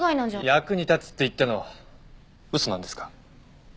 役に立つって言ったの嘘なんですか？